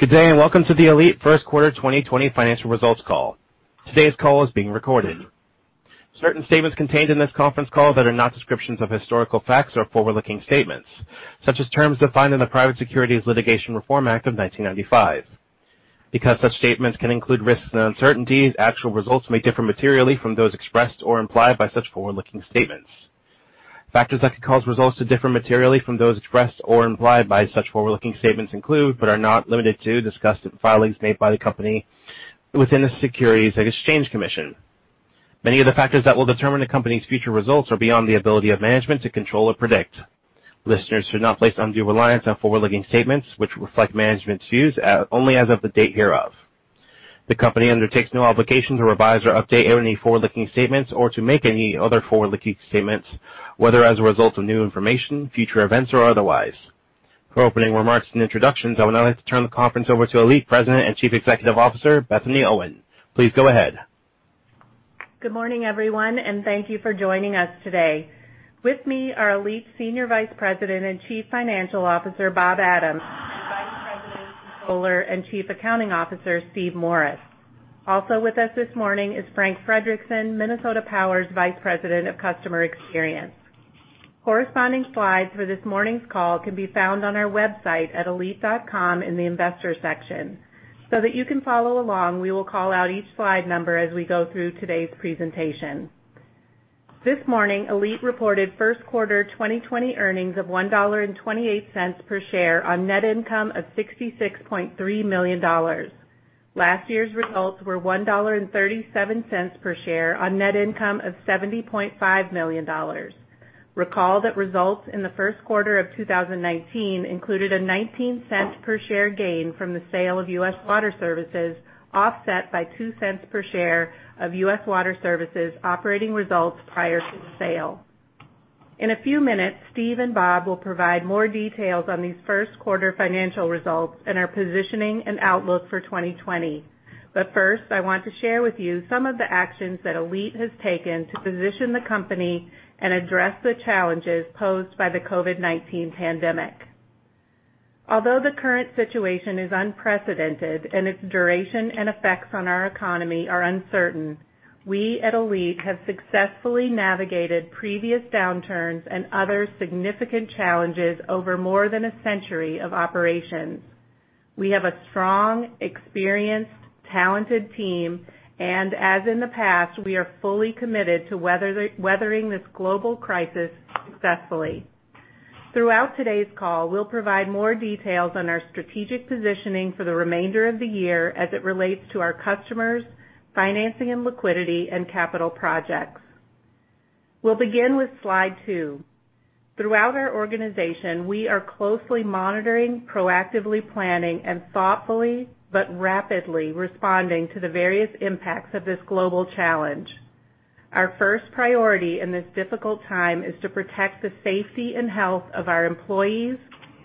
Good day. Welcome to the ALLETE first quarter 2020 financial results call. Today's call is being recorded. Certain statements contained in this conference call that are not descriptions of historical facts are forward-looking statements, such as terms defined in the Private Securities Litigation Reform Act of 1995. Such statements can include risks and uncertainties, actual results may differ materially from those expressed or implied by such forward-looking statements. Factors that could cause results to differ materially from those expressed or implied by such forward-looking statements include, but are not limited to, discussed in filings made by the company within the Securities and Exchange Commission. Many of the factors that will determine the company's future results are beyond the ability of management to control or predict. Listeners should not place undue reliance on forward-looking statements, which reflect management's views only as of the date hereof. The company undertakes no obligation to revise or update any forward-looking statements or to make any other forward-looking statements, whether as a result of new information, future events, or otherwise. For opening remarks and introductions, I would now like to turn the conference over to ALLETE President and Chief Executive Officer, Bethany Owen. Please go ahead. Good morning, everyone, and thank you for joining us today. With me are ALLETE's Senior Vice President and Chief Financial Officer, Bob Adams, and Vice President, Controller, and Chief Accounting Officer, Steve Morris. Also with us this morning is Frank Frederickson, Minnesota Power's Vice President of Customer Experience. Corresponding slides for this morning's call can be found on our website at allete.com in the Investors section. That you can follow along, we will call out each slide number as we go through today's presentation. This morning, ALLETE reported first quarter 2020 earnings of $1.28 per share on net income of $66.3 million. Last year's results were $1.37 per share on net income of $70.5 million. Recall that results in the first quarter of 2019 included a $0.19 per share gain from the sale of U.S. Water Services, offset by $0.02 per share of U.S. Water Services operating results prior to the sale. In a few minutes, Steve and Bob will provide more details on these first quarter financial results and our positioning and outlook for 2020. First, I want to share with you some of the actions that ALLETE has taken to position the company and address the challenges posed by the COVID-19 pandemic. Although the current situation is unprecedented and its duration and effects on our economy are uncertain, we at ALLETE have successfully navigated previous downturns and other significant challenges over more than a century of operations. We have a strong, experienced, talented team, and as in the past, we are fully committed to weathering this global crisis successfully. Throughout today's call, we'll provide more details on our strategic positioning for the remainder of the year as it relates to our customers, financing and liquidity, and capital projects. We'll begin with slide two. Throughout our organization, we are closely monitoring, proactively planning, and thoughtfully but rapidly responding to the various impacts of this global challenge. Our first priority in this difficult time is to protect the safety and health of our employees,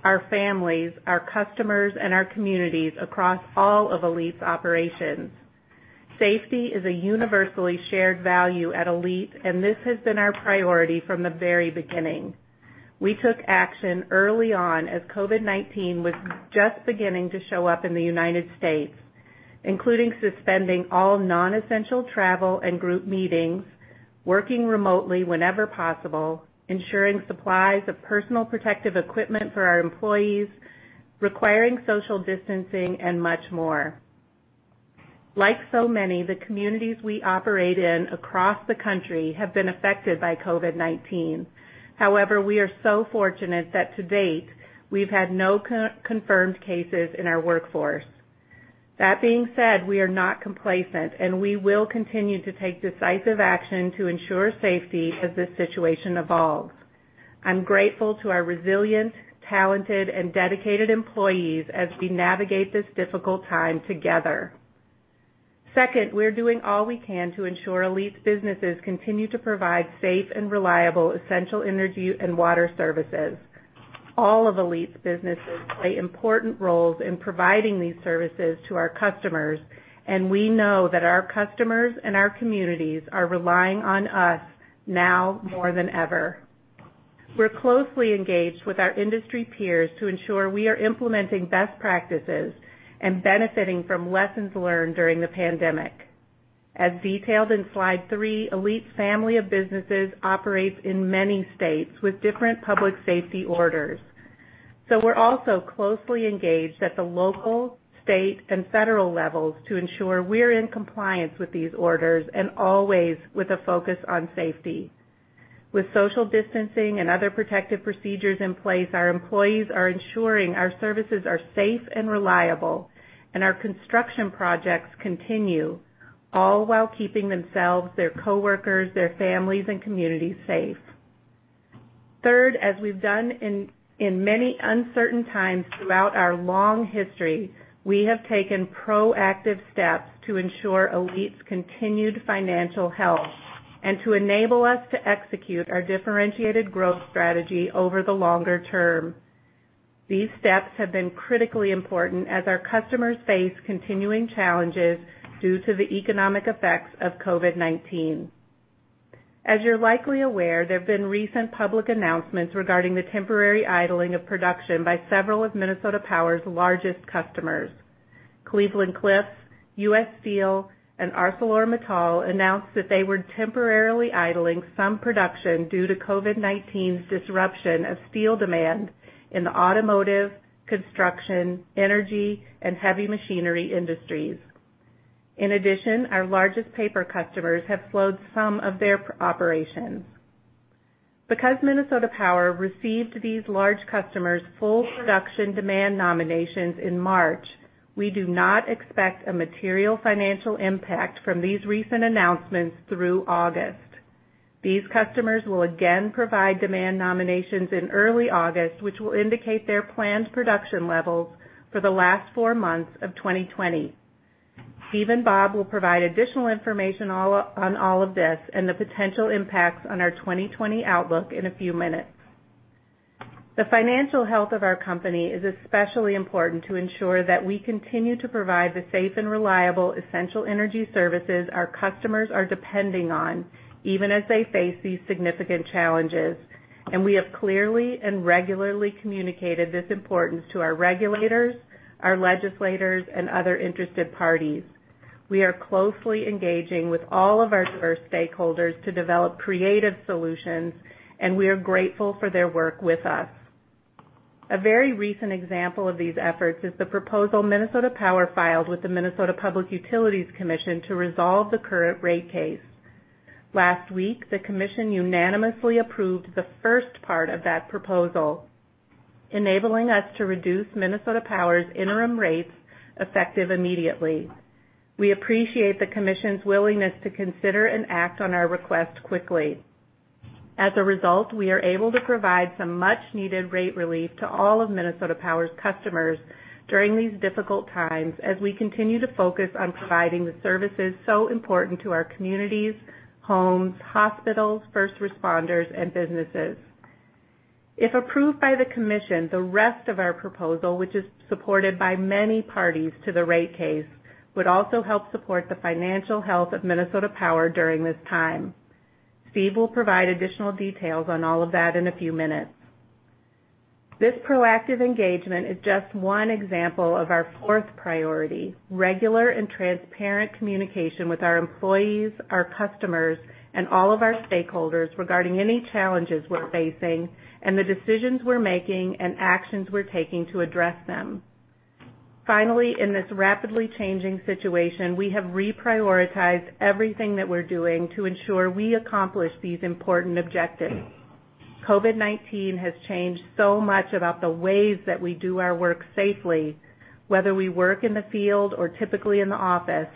our families, our customers, and our communities across all of ALLETE's operations. Safety is a universally shared value at ALLETE, and this has been our priority from the very beginning. We took action early on as COVID-19 was just beginning to show up in the United States, including suspending all non-essential travel and group meetings, working remotely whenever possible, ensuring supplies of personal protective equipment for our employees, requiring social distancing, and much more. Like so many, the communities we operate in across the country have been affected by COVID-19. However, we are so fortunate that to date, we've had no confirmed cases in our workforce. That being said, we are not complacent, and we will continue to take decisive action to ensure safety as this situation evolves. I'm grateful to our resilient, talented, and dedicated employees as we navigate this difficult time together. Second, we're doing all we can to ensure ALLETE's businesses continue to provide safe and reliable essential energy and water services. All of ALLETE's businesses play important roles in providing these services to our customers, and we know that our customers and our communities are relying on us now more than ever. We're closely engaged with our industry peers to ensure we are implementing best practices and benefiting from lessons learned during the pandemic. As detailed in slide three, ALLETE's family of businesses operates in many states with different public safety orders. We're also closely engaged at the local, state, and federal levels to ensure we're in compliance with these orders and always with a focus on safety. With social distancing and other protective procedures in place, our employees are ensuring our services are safe and reliable and our construction projects continue, all while keeping themselves, their coworkers, their families, and communities safe. Third, as we've done in many uncertain times throughout our long history, we have taken proactive steps to ensure ALLETE's continued financial health and to enable us to execute our differentiated growth strategy over the longer term. These steps have been critically important as our customers face continuing challenges due to the economic effects of COVID-19. As you're likely aware, there have been recent public announcements regarding the temporary idling of production by several of Minnesota Power's largest customers. Cleveland-Cliffs, U.S. Steel, and ArcelorMittal announced that they were temporarily idling some production due to COVID-19's disruption of steel demand in the automotive, construction, energy, and heavy machinery industries. In addition, our largest paper customers have slowed some of their operations. Because Minnesota Power received these large customers' full production demand nominations in March, we do not expect a material financial impact from these recent announcements through August. These customers will again provide demand nominations in early August, which will indicate their planned production levels for the last four months of 2020. Steve and Bob will provide additional information on all of this and the potential impacts on our 2020 outlook in a few minutes. The financial health of our company is especially important to ensure that we continue to provide the safe and reliable essential energy services our customers are depending on, even as they face these significant challenges, and we have clearly and regularly communicated this importance to our regulators, our legislators, and other interested parties. We are closely engaging with all of our diverse stakeholders to develop creative solutions, and we are grateful for their work with us. A very recent example of these efforts is the proposal Minnesota Power filed with the Minnesota Public Utilities Commission to resolve the current rate case. Last week, the commission unanimously approved the first part of that proposal, enabling us to reduce Minnesota Power's interim rates effective immediately. We appreciate the commission's willingness to consider and act on our request quickly. As a result, we are able to provide some much-needed rate relief to all of Minnesota Power's customers during these difficult times as we continue to focus on providing the services so important to our communities, homes, hospitals, first responders, and businesses. If approved by the commission, the rest of our proposal, which is supported by many parties to the rate case, would also help support the financial health of Minnesota Power during this time. Steve will provide additional details on all of that in a few minutes. This proactive engagement is just one example of our fourth priority, regular and transparent communication with our employees, our customers, and all of our stakeholders regarding any challenges we're facing and the decisions we're making and actions we're taking to address them. Finally, in this rapidly changing situation, we have reprioritized everything that we're doing to ensure we accomplish these important objectives. COVID-19 has changed so much about the ways that we do our work safely, whether we work in the field or typically in the office,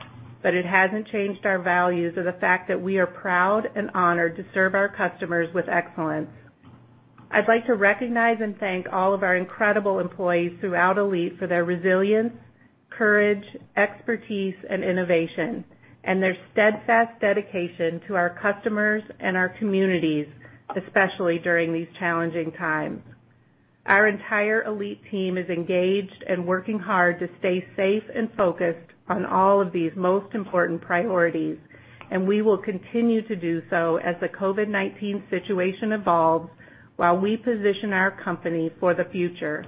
it hasn't changed our values or the fact that we are proud and honored to serve our customers with excellence. I'd like to recognize and thank all of our incredible employees throughout ALLETE for their resilience, courage, expertise, and innovation, and their steadfast dedication to our customers and our communities, especially during these challenging times. Our entire ALLETE team is engaged and working hard to stay safe and focused on all of these most important priorities, we will continue to do so as the COVID-19 situation evolves while we position our company for the future.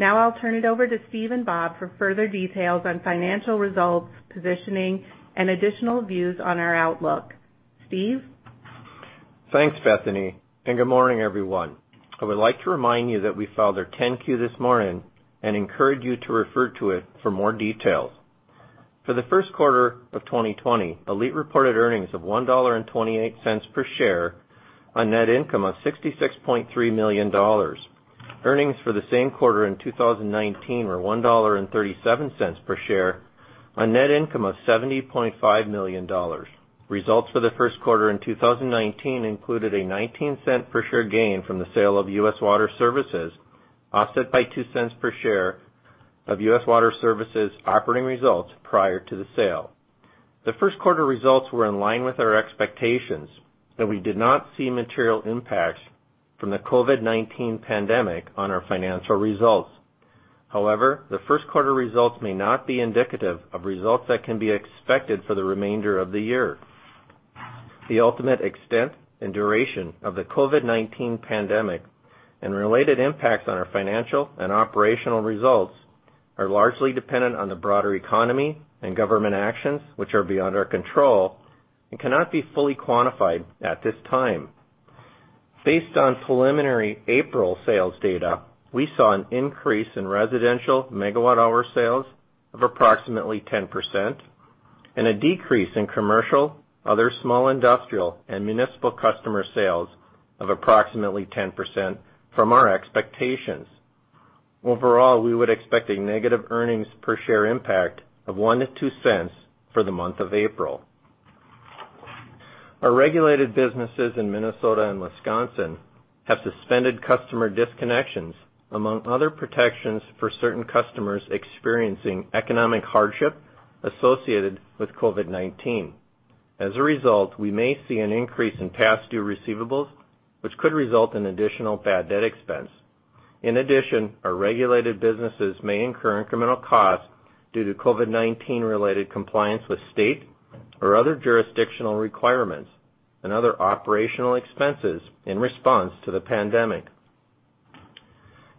I'll turn it over to Steve and Bob for further details on financial results, positioning, and additional views on our outlook. Steve? Thanks, Bethany. Good morning, everyone. I would like to remind you that we filed our 10-Q this morning and encourage you to refer to it for more details. For the first quarter of 2020, ALLETE reported earnings of $1.28 per share on net income of $66.3 million. Earnings for the same quarter in 2019 were $1.37 per share on net income of $70.5 million. Results for the first quarter in 2019 included a $0.19 per share gain from the sale of U.S. Water Services, offset by $0.02 per share of U.S. Water Services operating results prior to the sale. The first quarter results were in line with our expectations, and we did not see material impacts from the COVID-19 pandemic on our financial results. However, the first quarter results may not be indicative of results that can be expected for the remainder of the year. The ultimate extent and duration of the COVID-19 pandemic and related impacts on our financial and operational results are largely dependent on the broader economy and government actions, which are beyond our control and cannot be fully quantified at this time. Based on preliminary April sales data, we saw an increase in residential megawatt hour sales of approximately 10% and a decrease in commercial, other small industrial, and municipal customer sales of approximately 10% from our expectations. Overall, we would expect a negative earnings per share impact of $0.01-$0.02 for the month of April. Our regulated businesses in Minnesota and Wisconsin have suspended customer disconnections among other protections for certain customers experiencing economic hardship associated with COVID-19. As a result, we may see an increase in past due receivables, which could result in additional bad debt expense. In addition, our regulated businesses may incur incremental costs due to COVID-19 related compliance with state or other jurisdictional requirements and other operational expenses in response to the pandemic.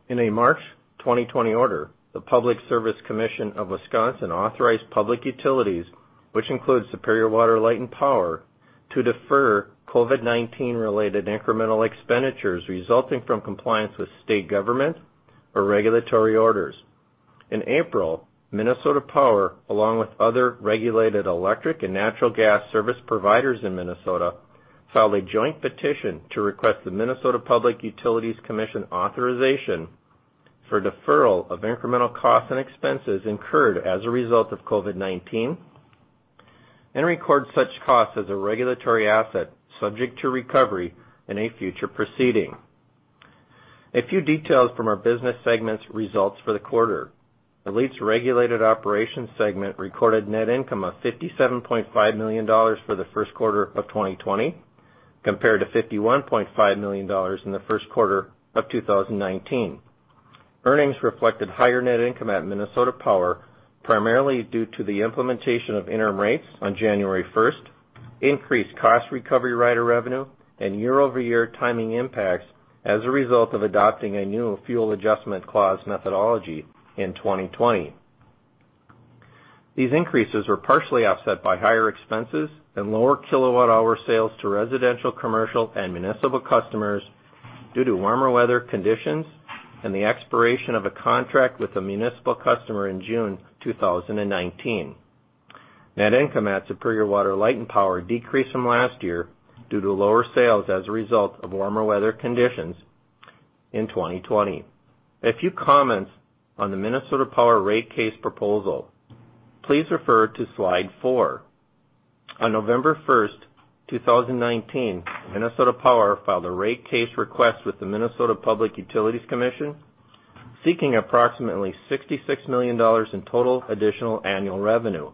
In a March 2020 order, the Public Service Commission of Wisconsin authorized public utilities, which includes Superior Water, Light and Power, to defer COVID-19 related incremental expenditures resulting from compliance with state government or regulatory orders. In April, Minnesota Power, along with other regulated electric and natural gas service providers in Minnesota, filed a joint petition to request the Minnesota Public Utilities Commission authorization for deferral of incremental costs and expenses incurred as a result of COVID-19, and record such costs as a regulatory asset subject to recovery in a future proceeding. A few details from our business segments results for the quarter. ALLETE's regulated operations segment recorded net income of $57.5 million for the first quarter of 2020, compared to $51.5 million in the first quarter of 2019. Earnings reflected higher net income at Minnesota Power, primarily due to the implementation of interim rates on January 1st, increased cost recovery rider revenue, and year-over-year timing impacts as a result of adopting a new fuel adjustment clause methodology in 2020. These increases were partially offset by higher expenses and lower kilowatt hour sales to residential, commercial, and municipal customers due to warmer weather conditions and the expiration of a contract with a municipal customer in June 2019. Net income at Superior Water, Light and Power decreased from last year due to lower sales as a result of warmer weather conditions in 2020. A few comments on the Minnesota Power rate case proposal. Please refer to slide four. On November 1st, 2019, Minnesota Power filed a rate case request with the Minnesota Public Utilities Commission, seeking approximately $66 million in total additional annual revenue.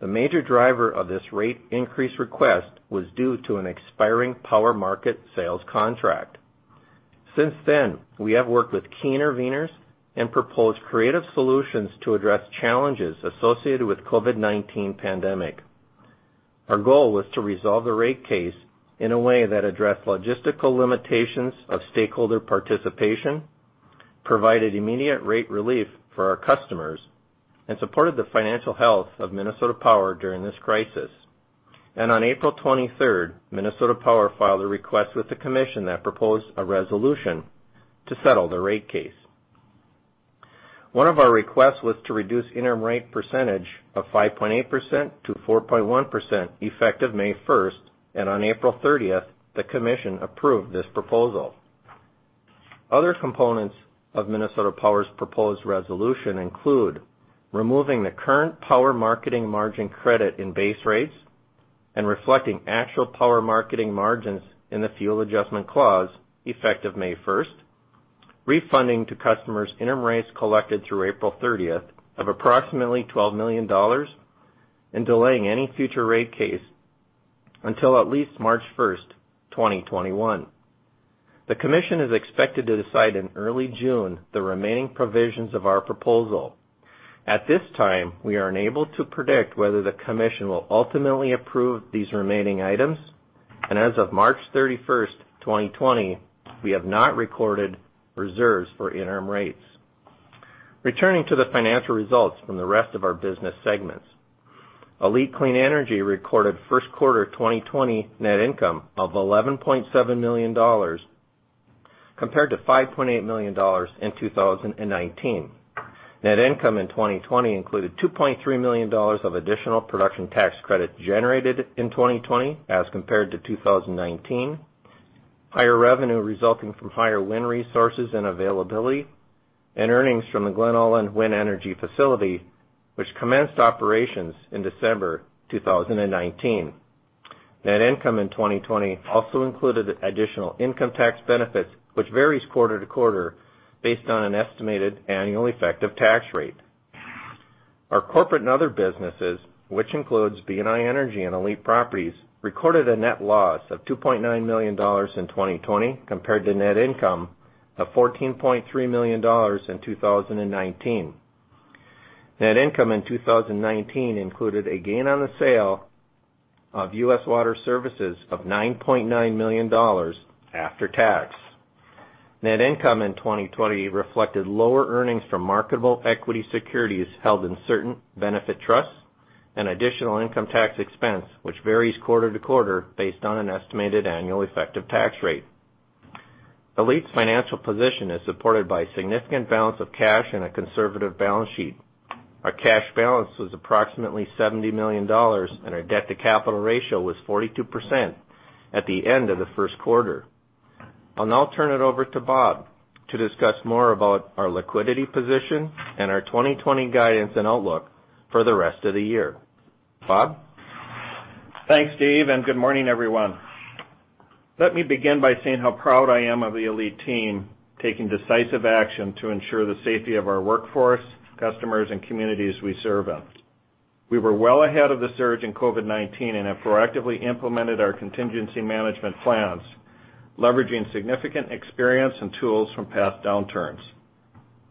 The major driver of this rate increase request was due to an expiring power market sales contract. Since then, we have worked with key intervenors and proposed creative solutions to address challenges associated with COVID-19 pandemic. Our goal was to resolve the rate case in a way that addressed logistical limitations of stakeholder participation, provided immediate rate relief for our customers, and supported the financial health of Minnesota Power during this crisis. On April 23rd, Minnesota Power filed a request with the commission that proposed a resolution to settle the rate case. One of our requests was to reduce interim rate % of 5.8%-4.1% effective May 1st, and on April 30th, the commission approved this proposal. Other components of Minnesota Power's proposed resolution include removing the current power marketing margin credit in base rates and reflecting actual power marketing margins in the fuel adjustment clause effective May 1st, refunding to customers interim rates collected through April 30th of approximately $12 million, and delaying any future rate case until at least March 1st, 2021. The commission is expected to decide in early June the remaining provisions of our proposal. At this time, we are unable to predict whether the commission will ultimately approve these remaining items. As of March 31st, 2020, we have not recorded reserves for interim rates. Returning to the financial results from the rest of our business segments. ALLETE Clean Energy recorded first quarter 2020 net income of $11.7 million compared to $5.8 million in 2019. Net income in 2020 included $2.3 million of additional production tax credit generated in 2020 as compared to 2019, higher revenue resulting from higher wind resources and availability, and earnings from the Glen Ullin Energy Center facility, which commenced operations in December 2019. Net income in 2020 also included additional income tax benefits, which varies quarter to quarter based on an estimated annual effective tax rate. Our corporate and other businesses, which includes BNI Energy and ALLETE Properties, recorded a net loss of $2.9 million in 2020 compared to net income of $14.3 million in 2019. Net income in 2019 included a gain on the sale of U.S. Water Services of $9.9 million after tax. Net income in 2020 reflected lower earnings from marketable equity securities held in certain benefit trusts and additional income tax expense, which varies quarter to quarter based on an estimated annual effective tax rate. ALLETE's financial position is supported by a significant balance of cash and a conservative balance sheet. Our cash balance was approximately $70 million, and our debt-to-capital ratio was 42% at the end of the first quarter. I'll now turn it over to Bob to discuss more about our liquidity position and our 2020 guidance and outlook for the rest of the year. Bob? Thanks, Steve, and good morning, everyone. Let me begin by saying how proud I am of the ALLETE team taking decisive action to ensure the safety of our workforce, customers, and communities we serve in. We were well ahead of the surge in COVID-19 and have proactively implemented our contingency management plans, leveraging significant experience and tools from past downturns.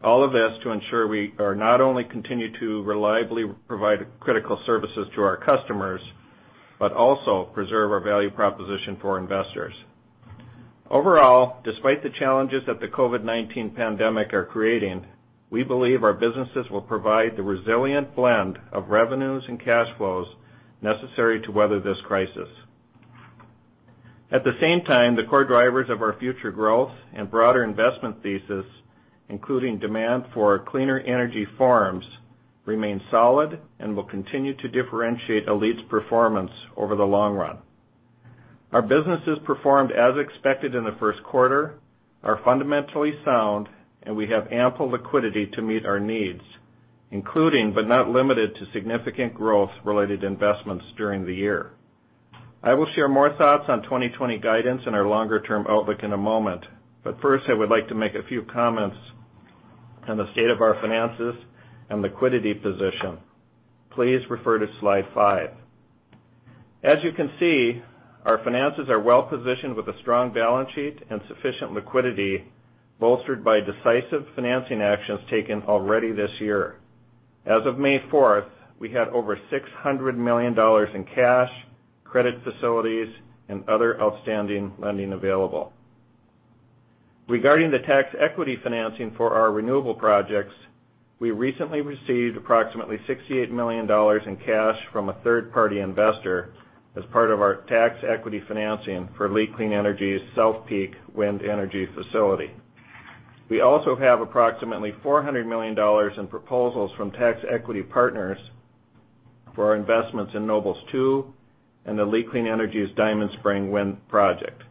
All of this to ensure we are not only continue to reliably provide critical services to our customers, but also preserve our value proposition for investors. Overall, despite the challenges that the COVID-19 pandemic are creating, we believe our businesses will provide the resilient blend of revenues and cash flows necessary to weather this crisis. At the same time, the core drivers of our future growth and broader investment thesis, including demand for cleaner energy forms, remain solid and will continue to differentiate ALLETE's performance over the long run. Our businesses performed as expected in the first quarter, are fundamentally sound, and we have ample liquidity to meet our needs, including, but not limited to, significant growth related investments during the year. I will share more thoughts on 2020 guidance and our longer-term outlook in a moment, but first, I would like to make a few comments on the state of our finances and liquidity position. Please refer to slide five. As you can see, our finances are well-positioned with a strong balance sheet and sufficient liquidity, bolstered by decisive financing actions taken already this year. As of May 4th, we had over $600 million in cash, credit facilities, and other outstanding lending available. Regarding the tax equity financing for our renewable projects, we recently received approximately $68 million in cash from a third-party investor as part of our tax equity financing for ALLETE Clean Energy's South Peak Wind energy facility. We also have approximately $400 million in proposals from tax equity partners for our investments in Nobles 2 and the ALLETE Clean Energy's Diamond Spring Wind project.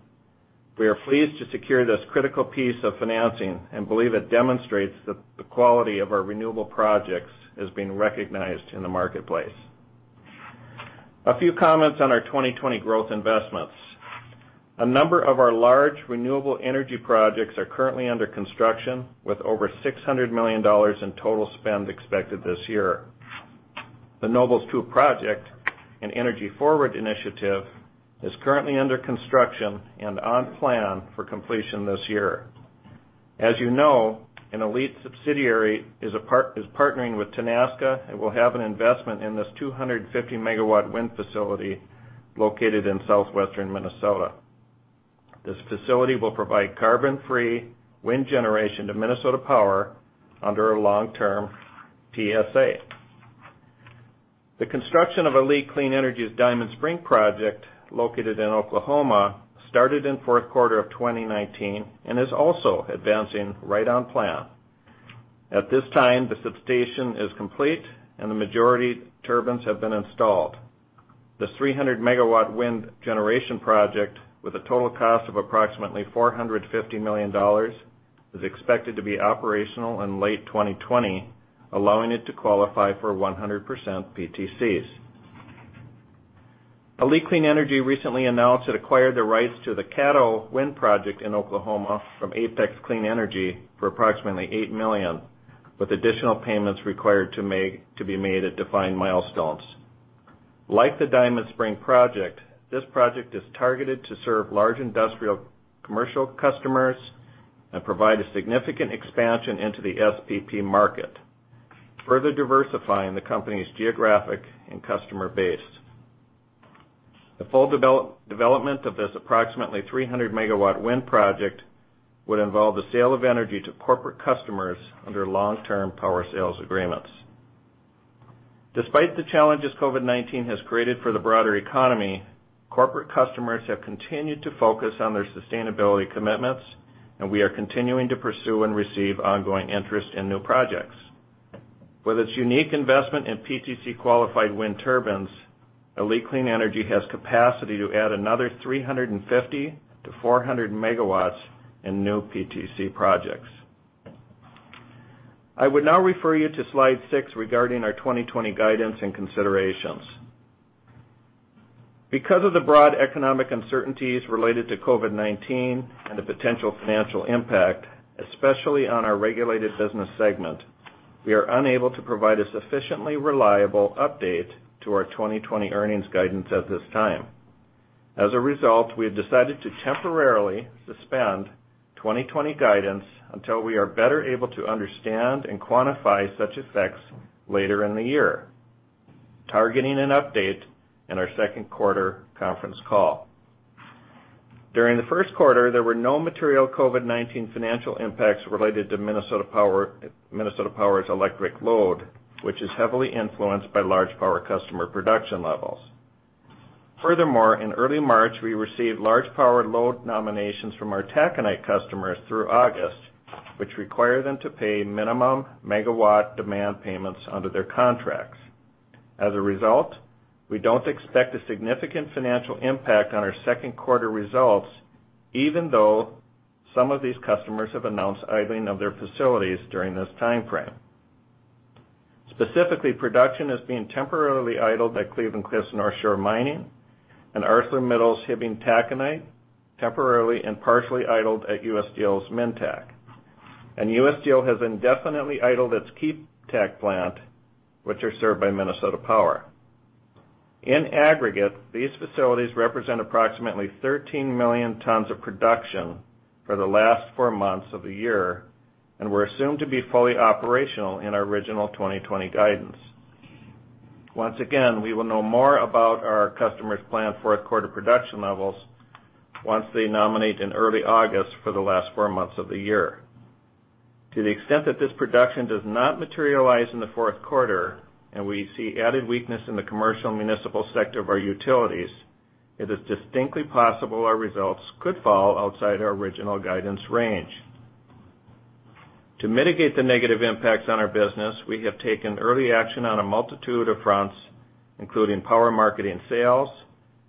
We are pleased to secure this critical piece of financing and believe it demonstrates the quality of our renewable projects as being recognized in the marketplace. A few comments on our 2020 growth investments. A number of our large renewable energy projects are currently under construction, with over $600 million in total spend expected this year. The Nobles 2 project, an EnergyForward initiative, is currently under construction and on plan for completion this year. As you know, an ALLETE subsidiary is partnering with Tenaska and will have an investment in this 250M W wind facility located in southwestern Minnesota. This facility will provide carbon-free wind generation to Minnesota Power under a long-term TSA. The construction of ALLETE Clean Energy's Diamond Spring project, located in Oklahoma, started in fourth quarter of 2019 and is also advancing right on plan. At this time, the substation is complete, and the majority turbines have been installed. This 300MW wind generation project, with a total cost of approximately $450 million, is expected to be operational in late 2020, allowing it to qualify for 100% PTCs. ALLETE Clean Energy recently announced it acquired the rights to the Caddo Wind project in Oklahoma from Apex Clean Energy for approximately $8 million, with additional payments required to be made at defined milestones. Like the Diamond Spring project, this project is targeted to serve large industrial commercial customers and provide a significant expansion into the C&I market, further diversifying the company's geographic and customer base. The full development of this approximately 300 MW wind project would involve the sale of energy to corporate customers under long-term power sales agreements. Despite the challenges COVID-19 has created for the broader economy, corporate customers have continued to focus on their sustainability commitments. We are continuing to pursue and receive ongoing interest in new projects. With its unique investment in PTC-qualified wind turbines, ALLETE Clean Energy has capacity to add another 350-400 MW in new PTC projects. I would now refer you to slide six regarding our 2020 guidance and considerations. Because of the broad economic uncertainties related to COVID-19 and the potential financial impact, especially on our regulated business segment, we are unable to provide a sufficiently reliable update to our 2020 earnings guidance at this time. As a result, we have decided to temporarily suspend 2020 guidance until we are better able to understand and quantify such effects later in the year, targeting an update in our second quarter conference call. During the first quarter, there were no material COVID-19 financial impacts related to Minnesota Power's electric load, which is heavily influenced by large power customer production levels. Furthermore, in early March, we received large power load nominations from our taconite customers through August, which require them to pay minimum megawatt demand payments under their contracts. As a result, we don't expect a significant financial impact on our second quarter results, even though some of these customers have announced idling of their facilities during this time frame. Specifically, production is being temporarily idled at Cleveland-Cliffs Northshore Mining and ArcelorMittal's Hibbing Taconite, temporarily and partially idled at U.S. Steel's Minntac. U.S. Steel has indefinitely idled its Keetac plant, which are served by Minnesota Power. In aggregate, these facilities represent approximately 13 million tons of production for the last four months of the year, and were assumed to be fully operational in our original 2020 guidance. Once again, we will know more about our customers' planned fourth quarter production levels once they nominate in early August for the last four months of the year. To the extent that this production does not materialize in the fourth quarter, and we see added weakness in the commercial and municipal sector of our utilities, it is distinctly possible our results could fall outside our original guidance range. To mitigate the negative impacts on our business, we have taken early action on a multitude of fronts, including power marketing sales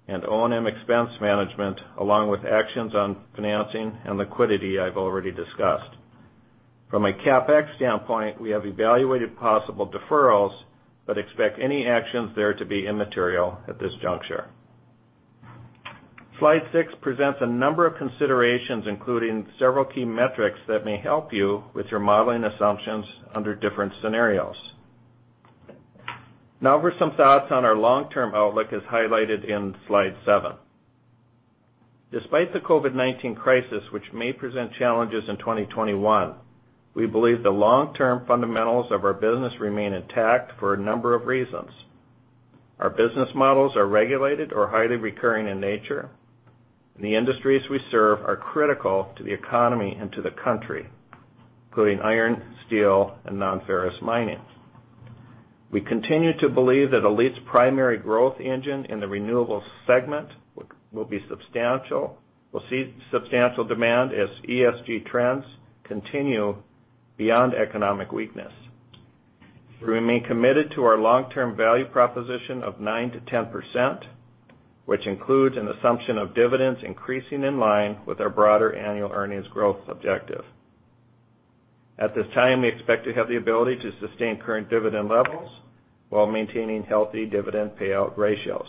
and O&M expense management, along with actions on financing and liquidity I've already discussed. From a CapEx standpoint, we have evaluated possible deferrals, but expect any actions there to be immaterial at this juncture. Slide six presents a number of considerations, including several key metrics that may help you with your modeling assumptions under different scenarios. For some thoughts on our long-term outlook as highlighted in slide seven. Despite the COVID-19 crisis, which may present challenges in 2021, we believe the long-term fundamentals of our business remain intact for a number of reasons. Our business models are regulated or highly recurring in nature, and the industries we serve are critical to the economy and to the country, including iron, steel, and non-ferrous mining. We continue to believe that ALLETE's primary growth engine in the renewables segment will see substantial demand as ESG trends continue beyond economic weakness. We remain committed to our long-term value proposition of 9%-10%, which includes an assumption of dividends increasing in line with our broader annual earnings growth objective. At this time, we expect to have the ability to sustain current dividend levels while maintaining healthy dividend payout ratios.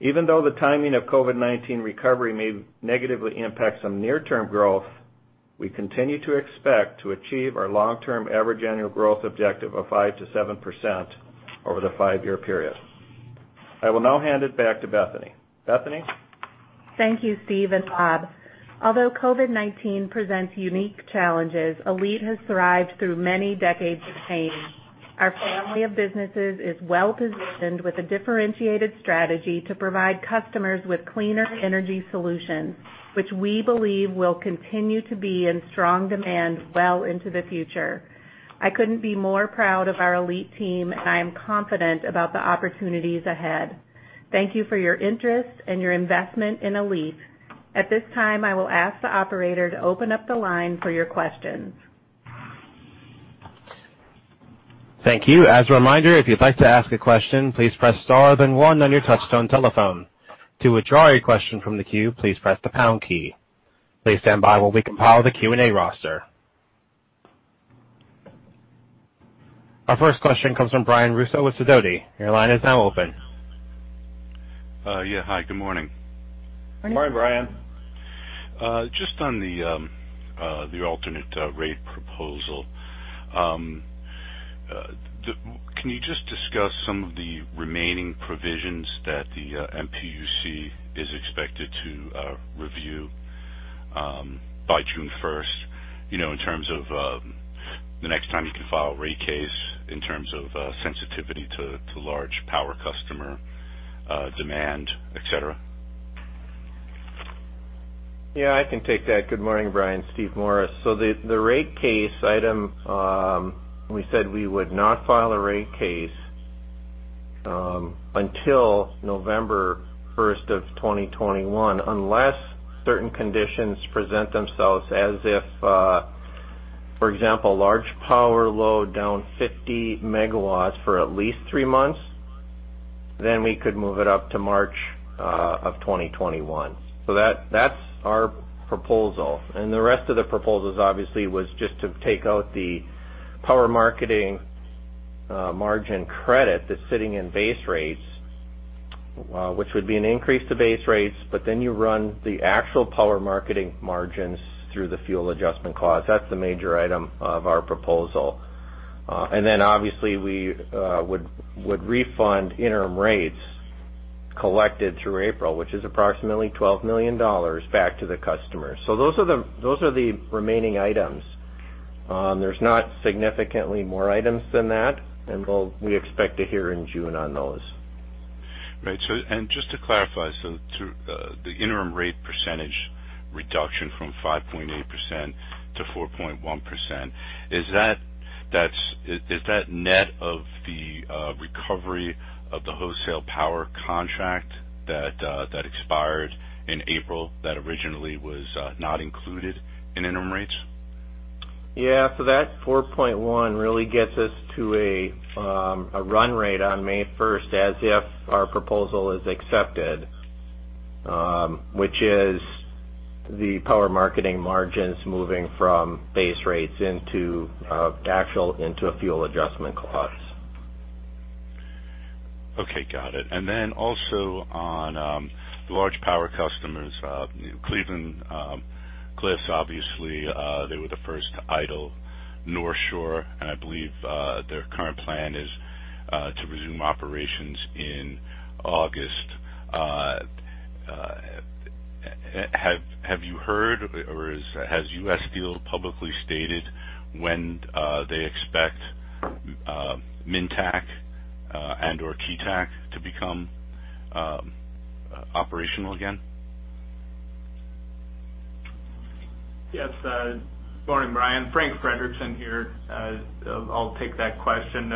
Even though the timing of COVID-19 recovery may negatively impact some near-term growth, we continue to expect to achieve our long-term average annual growth objective of 5%-7% over the five-year period. I will now hand it back to Bethany. Bethany? Thank you, Steve and Bob. Although COVID-19 presents unique challenges, ALLETE has thrived through many decades of change. Our family of businesses is well-positioned with a differentiated strategy to provide customers with cleaner energy solutions, which we believe will continue to be in strong demand well into the future. I couldn't be more proud of our ALLETE team, and I am confident about the opportunities ahead. Thank you for your interest and your investment in ALLETE. At this time, I will ask the operator to open up the line for your questions. Thank you. As a reminder, if you'd like to ask a question, please press star then one on your touch-tone telephone. To withdraw your question from the queue, please press the pound key. Please stand by while we compile the Q&A roster. Our first question comes from Brian Russo with Sidoti. Your line is now open. Yeah. Hi, good morning. Good morning, Brian. Just on the ALLETE rate proposal. Can you just discuss some of the remaining provisions that the MPUC is expected to review by June 1st, in terms of the next time you can file a rate case, in terms of sensitivity to large power customer demand, et cetera? Yeah, I can take that. Good morning, Brian. Steve Morris. The rate case item, we said we would not file a rate case until November 1st, 2021, unless certain conditions present themselves as if for example, large power load down 50 MW for at least three months, we could move it up to March 2021. That's our proposal. The rest of the proposals obviously was just to take out the power marketing margin credit that's sitting in base rates, which would be an increase to base rates, you run the actual power marketing margins through the fuel adjustment clause. That's the major item of our proposal. Obviously we would refund interim rates collected through April, which is approximately $12 million back to the customer. Those are the remaining items. There's not significantly more items than that, and we expect to hear in June on those. Right. Just to clarify, the interim rate % reduction from 5.8%-4.1%, is that net of the recovery of the wholesale power contract that expired in April that originally was not included in interim rates? Yeah. That 4.1% really gets us to a run rate on May 1st as if our proposal is accepted, which is the power marketing margins moving from base rates into actual, into a fuel adjustment clause. Okay, got it. Also on the large power customers, Cleveland-Cliffs, obviously, they were the first to idle Northshore, and I believe their current plan is to resume operations in August. Have you heard, or has U.S. Steel publicly stated when they expect Minntac and/or Keetac to become operational again? Yes. Morning, Brian. Frank Frederickson here. I'll take that question.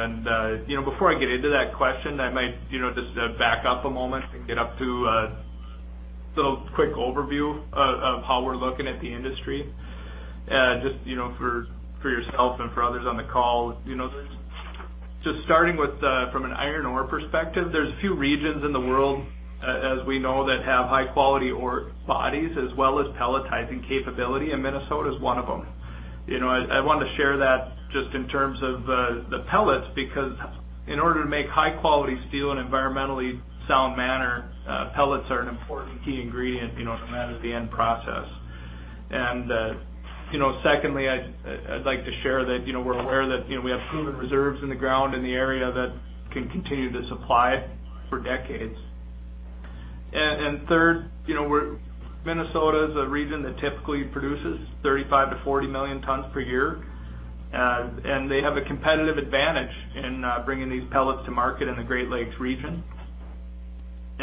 Before I get into that question, I might just back up a moment and get up to a little quick overview of how we're looking at the industry. Just for yourself and for others on the call. Just starting with from an iron ore perspective, there's few regions in the world, as we know, that have high-quality ore bodies as well as pelletizing capability, and Minnesota is one of them. I want to share that just in terms of the pellets, because in order to make high-quality steel in an environmentally sound manner, pellets are an important key ingredient no matter the end process. Secondly, I'd like to share that we're aware that we have proven reserves in the ground in the area that can continue to supply for decades. Third, Minnesota is a region that typically produces 35 million-40 million tons per year. They have a competitive advantage in bringing these pellets to market in the Great Lakes region.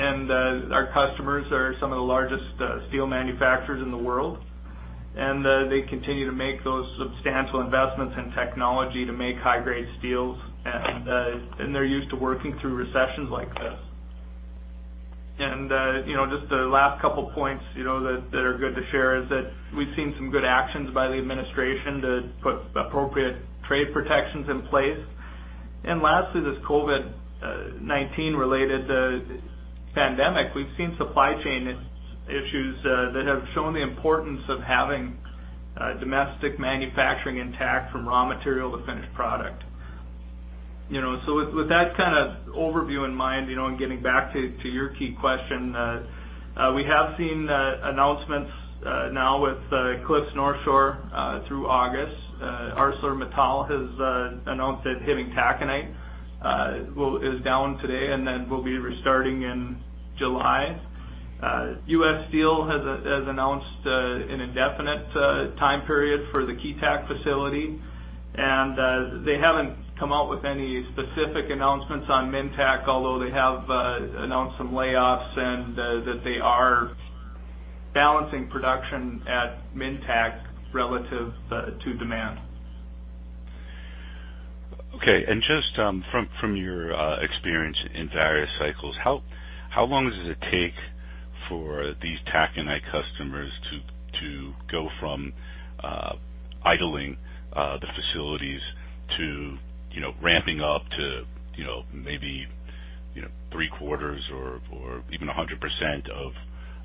Our customers are some of the largest steel manufacturers in the world, and they continue to make those substantial investments in technology to make high-grade steels. They're used to working through recessions like this. Just the last couple points that are good to share is that we've seen some good actions by the administration to put appropriate trade protections in place. Lastly, this COVID-19-related pandemic, we've seen supply chain issues that have shown the importance of having domestic manufacturing intact from raw material to finished product. With that kind of overview in mind and getting back to your key question, we have seen announcements now with Cliffs Northshore through August. ArcelorMittal has announced that Hibbing Taconite is down today and then will be restarting in July. U.S. Steel has announced an indefinite time period for the Keetac facility, and they haven't come out with any specific announcements on Minntac, although they have announced some layoffs and that they are balancing production at Minntac relative to demand. Okay. Just from your experience in various cycles, how long does it take for these taconite customers to go from idling the facilities to ramping up to maybe three quarters or even 100%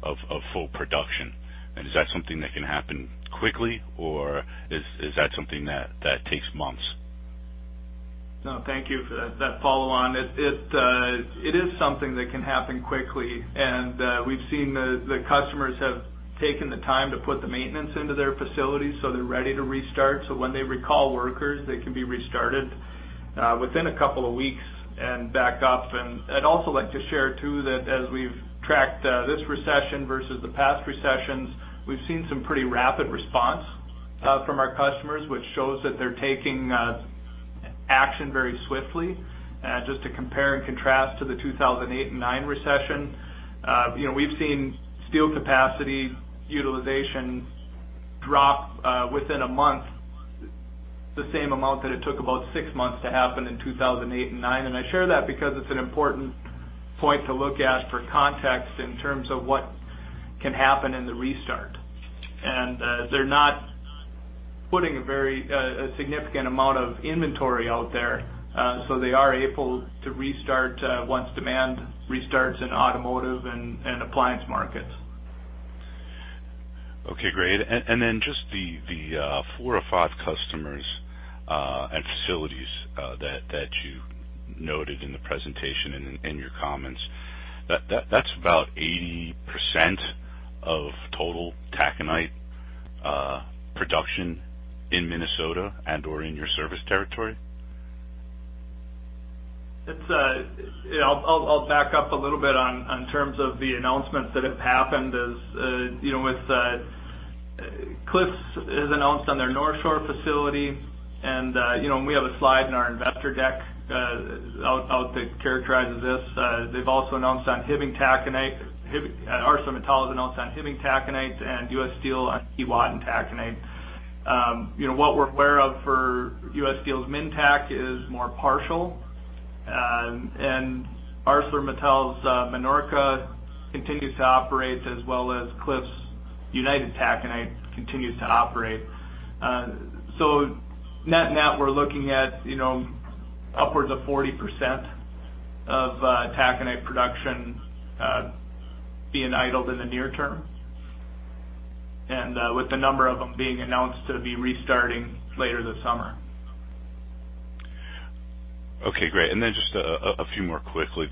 of full production? Is that something that can happen quickly, or is that something that takes months? No, thank you for that follow-on. It is something that can happen quickly, and we've seen the customers have taken the time to put the maintenance into their facilities so they're ready to restart. When they recall workers, they can be restarted within a couple of weeks and back up. I'd also like to share, too, that as we've tracked this recession versus the past recessions, we've seen some pretty rapid response from our customers, which shows that they're taking action very swiftly. To compare and contrast to the 2008 and 2009 recession, we've seen steel capacity utilization drop within a month the same amount that it took about six months to happen in 2008 and 2009. I share that because it's an important point to look at for context in terms of what can happen in the restart. They're not putting a very significant amount of inventory out there. They are able to restart once demand restarts in automotive and appliance markets. Okay, great. Then just the four or five customers and facilities that you noted in the presentation and in your comments, that's about 80% of total taconite production in Minnesota and/or in your service territory? I'll back up a little bit on terms of the announcements that have happened. As you know, Cliffs has announced on their Northshore Mining, and we have a slide in our investor deck out that characterizes this. They've also announced on Hibbing Taconite, ArcelorMittal has announced on Hibbing Taconite and U.S. Steel on Keewatin Taconite. What we're aware of for U.S. Steel's Minntac is more partial. ArcelorMittal's Minorca continues to operate as well as Cliffs' United Taconite continues to operate. Net, we're looking at upwards of 40% of taconite production being idled in the near term. With the number of them being announced to be restarting later this summer. Okay, great. Just a few more quickly.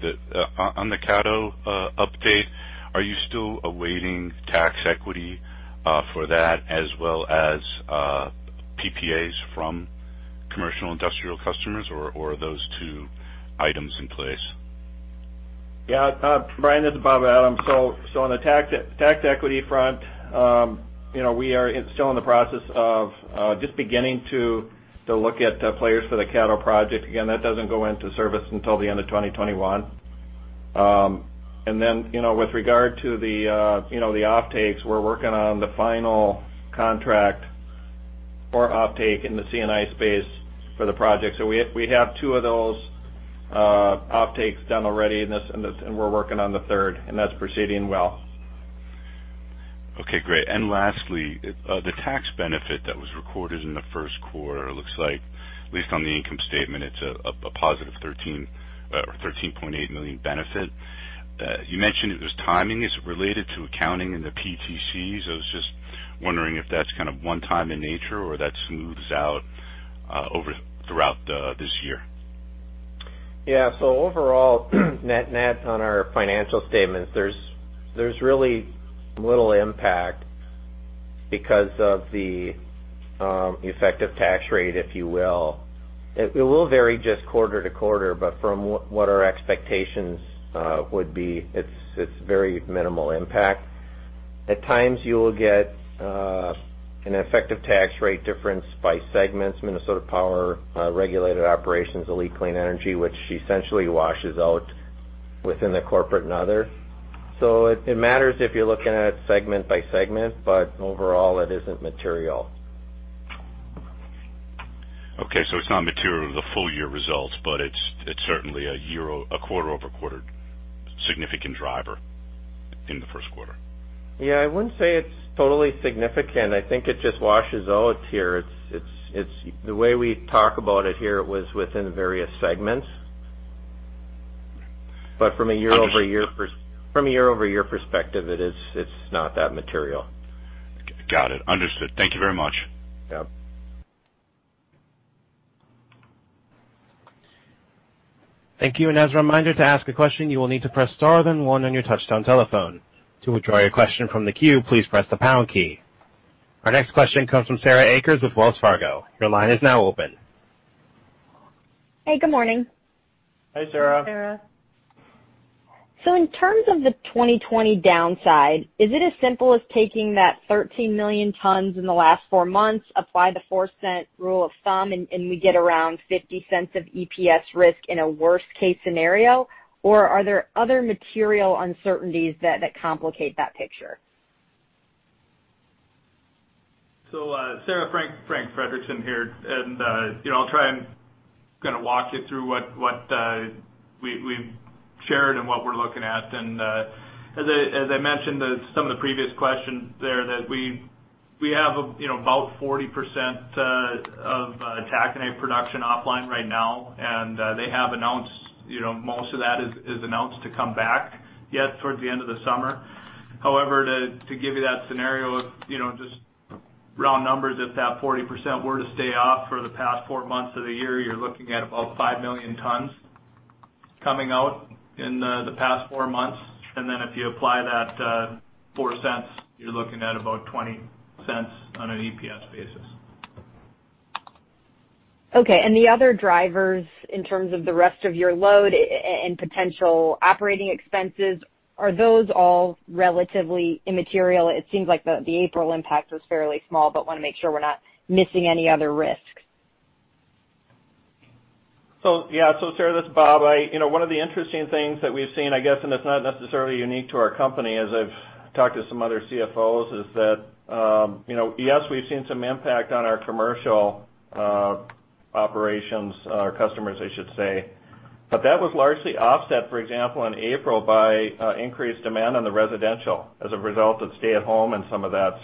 On the Caddo update, are you still awaiting tax equity for that as well as PPAs from commercial industrial customers, or are those two items in place? Yeah. Brian, this is Bob Adams. On the tax equity front, we are still in the process of just beginning to look at players for the Caddo project. Again, that doesn't go into service until the end of 2021. With regard to the offtakes, we're working on the final contract for offtake in the C&I space for the project. We have two of those offtakes done already, and we're working on the third, and that's proceeding well. Okay, great. Lastly, the tax benefit that was recorded in the first quarter, it looks like, at least on the income statement, it's a positive $13 million or $13.8 million benefit. You mentioned it was timing. Is it related to accounting in the PTCs? I was just wondering if that's kind of one-time in nature or that smooths out throughout this year. Yeah. Overall, net on our financial statements, there's really little impact because of the effective tax rate, if you will. It will vary just quarter to quarter, but from what our expectations would be, it's very minimal impact. At times, you will get an effective tax rate difference by segments, Minnesota Power, Regulated Operations, ALLETE Clean Energy, which essentially washes out within the corporate and other. It matters if you're looking at it segment by segment, but overall, it isn't material. Okay. It's not material to the full year results, but it's certainly a quarter-over-quarter significant driver in the first quarter. I wouldn't say it's totally significant. I think it just washes out here. The way we talk about it here, it was within the various segments. From a year-over-year perspective, it's not that material. Got it. Understood. Thank you very much. Yeah. Thank you. As a reminder, to ask a question, you will need to press star, then one on your touchtone telephone. To withdraw your question from the queue, please press the pound key. Our next question comes from Sarah Akers with Wells Fargo. Your line is now open. Hey, good morning. Hi, Sarah. Hi, Sarah. In terms of the 2020 downside, is it as simple as taking that 13 million tons in the last four months, apply the $0.04 rule of thumb, and we get around $0.50 of EPS risk in a worst-case scenario? Are there other material uncertainties that complicate that picture? Sarah, Frank Frederickson here. I'll try and kind of walk you through what we've shared and what we're looking at. As I mentioned some of the previous questions there, that we have about 40% of taconite production offline right now, and most of that is announced to come back yet towards the end of the summer. However, to give you that scenario of just round numbers, if that 40% were to stay off for the past four months of the year, you're looking at about 5 million tons coming out in the past four months. If you apply that $0.04, you're looking at about $0.20 on an EPS basis. Okay. The other drivers, in terms of the rest of your load and potential operating expenses, are those all relatively immaterial? It seems like the April impact was fairly small, but want to make sure we're not missing any other risks. Yeah. Sarah, this is Bob. One of the interesting things that we've seen, I guess, and it's not necessarily unique to our company as I've talked to some other CFOs, is that yes, we've seen some impact on our commercial operations, or customers, I should say. That was largely offset, for example, in April, by increased demand on the residential as a result of stay-at-home and some of that.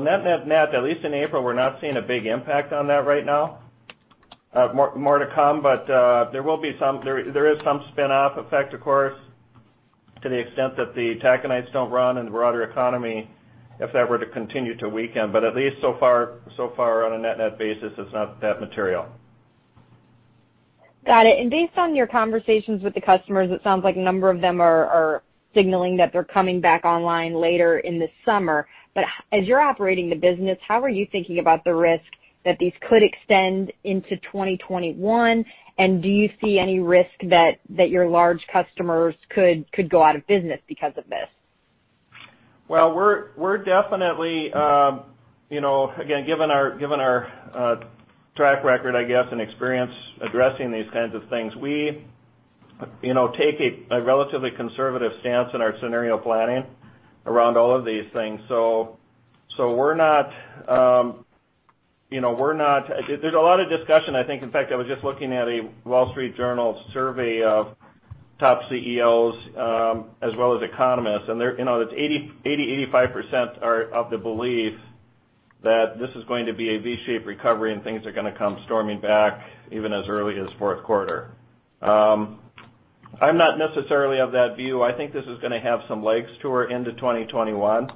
Net, at least in April, we're not seeing a big impact on that right now. More to come, but there is some spin-off effect, of course, to the extent that the taconites don't run and the broader economy, if that were to continue to weaken. At least so far on a net basis, it's not that material. Got it. Based on your conversations with the customers, it sounds like a number of them are signaling that they're coming back online later in the summer. As you're operating the business, how are you thinking about the risk that these could extend into 2021? Do you see any risk that your large customers could go out of business because of this? Well, again, given our track record, I guess, and experience addressing these kinds of things, we take a relatively conservative stance in our scenario planning around all of these things. There's a lot of discussion, I think. In fact, I was just looking at a Wall Street Journal survey of top CEOs as well as economists, and 80%, 85% are of the belief that this is going to be a V-shaped recovery, and things are going to come storming back even as early as fourth quarter. I'm not necessarily of that view. I think this is going to have some legs to we're into 2021.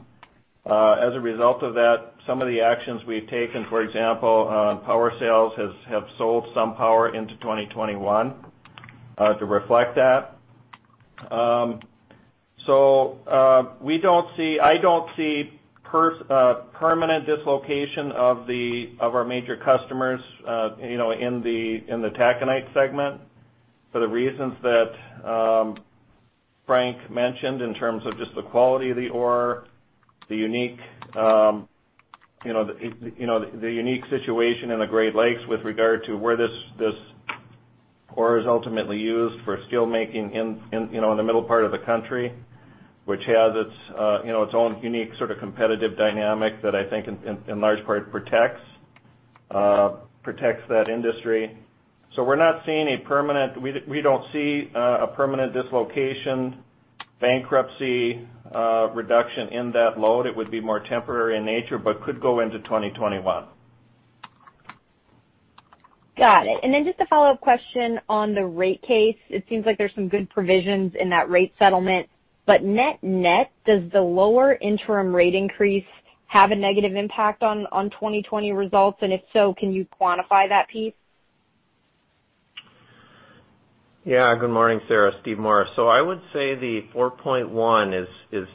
As a result of that, some of the actions we've taken, for example, on power sales, have sold some power into 2021 to reflect that. I don't see permanent dislocation of our major customers in the taconite segment for the reasons that Frank mentioned in terms of just the quality of the ore, the unique situation in the Great Lakes with regard to where this ore is ultimately used for steelmaking in the middle part of the country, which has its own unique sort of competitive dynamic that I think in large part protects that industry. We don't see a permanent dislocation, bankruptcy, reduction in that load. It would be more temporary in nature, but could go into 2021. Got it. Just a follow-up question on the rate case. It seems like there's some good provisions in that rate settlement, net net, does the lower interim rate increase have a negative impact on 2020 results? If so, can you quantify that piece? Yeah. Good morning, Sarah. Steve Morris. I would say the 4.1% is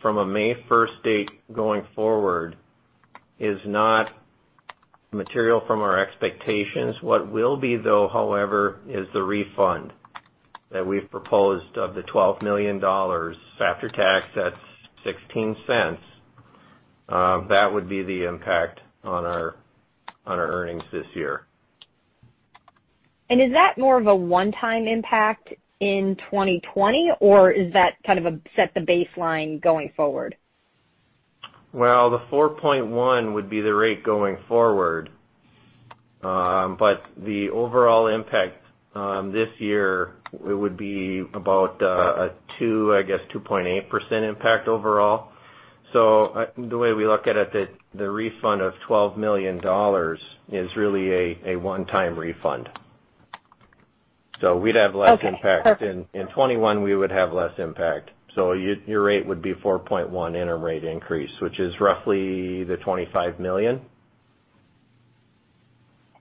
from a May 1st date going forward, is not material from our expectations. What will be though, however, is the refund that we've proposed of the $12 million. After tax, that's $0.16. That would be the impact on our earnings this year. Is that more of a one-time impact in 2020, or is that kind of a set the baseline going forward? The 4.1% would be the rate going forward. The overall impact on this year, it would be about a 2.8% impact overall. The way we look at it, the refund of $12 million is really a one-time refund. We'd have less impact. Okay. Perfect. In 2021, we would have less impact. Your rate would be 4.1% interim rate increase, which is roughly $25 million.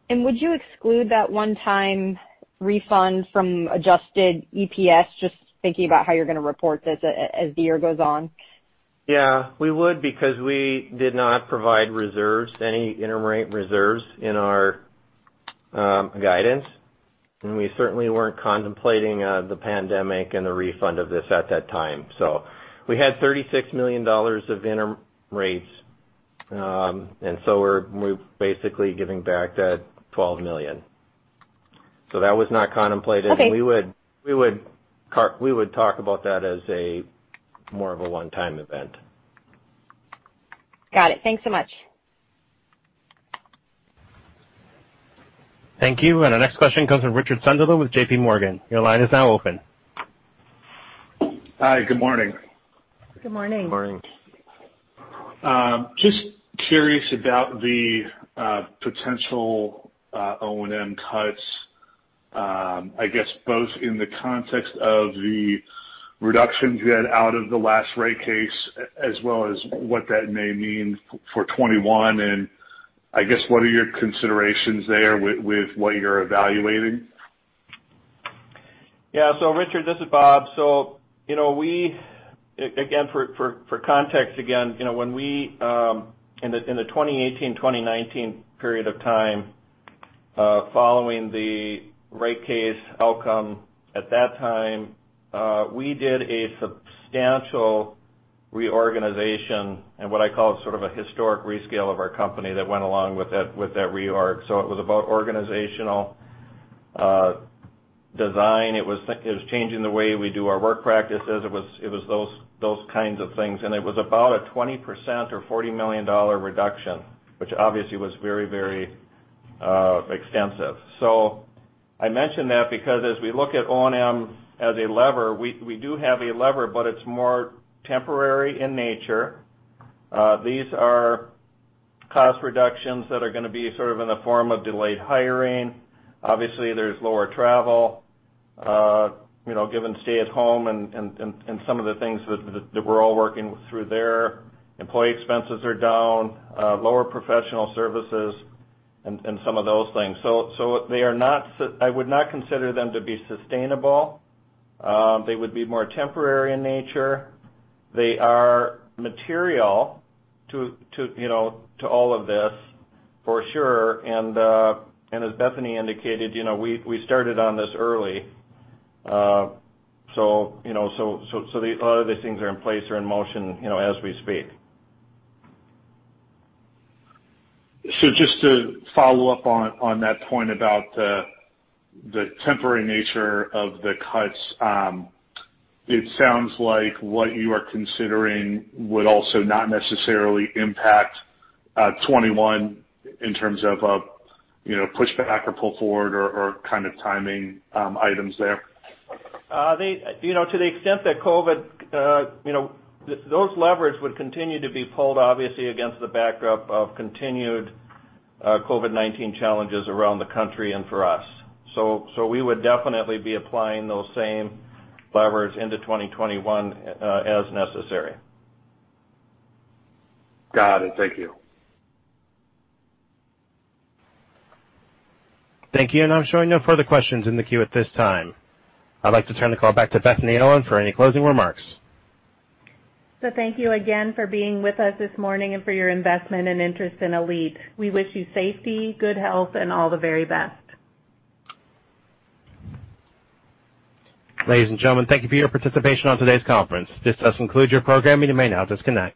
Would you exclude that one-time refund from adjusted EPS, just thinking about how you're going to report this as the year goes on? Yeah, we would, because we did not provide reserves, any interim rate reserves in our guidance, and we certainly weren't contemplating the pandemic and the refund of this at that time. We had $36 million of interim rates, and so we're basically giving back that $12 million. That was not contemplated. Okay. We would talk about that as a more of a one-time event. Got it. Thanks so much. Thank you. Our next question comes from Richard Sunderland with JPMorgan. Your line is now open. Hi. Good morning. Good morning. Morning. Just curious about the potential O&M cuts, I guess both in the context of the reductions you had out of the last rate case as well as what that may mean for 2021, and I guess what are your considerations there with what you're evaluating? Richard, this is Bob. We, again, for context again, when we in the 2018, 2019 period of time following the rate case outcome at that time, we did a substantial reorganization and what I call sort of a historic rescale of our company that went along with that reorg. It was about organizational design. It was changing the way we do our work practices. It was those kinds of things. It was about a 20% or $40 million reduction, which obviously was very extensive. I mention that because as we look at O&M as a lever, we do have a lever, but it's more temporary in nature. These are cost reductions that are going to be sort of in the form of delayed hiring. Obviously, there's lower travel, given stay-at-home and some of the things that we're all working through there. Employee expenses are down, lower professional services and some of those things. I would not consider them to be sustainable. They would be more temporary in nature. They are material to all of this for sure. As Bethany indicated, we started on this early. A lot of these things are in place, are in motion as we speak. Just to follow up on that point about the temporary nature of the cuts. It sounds like what you are considering would also not necessarily impact 2021 in terms of a pushback or pull forward or kind of timing items there. To the extent that COVID, those levers would continue to be pulled, obviously, against the backdrop of continued COVID-19 challenges around the country and for us. We would definitely be applying those same levers into 2021 as necessary. Got it. Thank you. Thank you. I'm showing no further questions in the queue at this time. I'd like to turn the call back to Bethany Owen for any closing remarks. Thank you again for being with us this morning and for your investment and interest in ALLETE. We wish you safety, good health, and all the very best. Ladies and gentlemen, thank you for your participation on today's conference. This does conclude your program. You may now disconnect.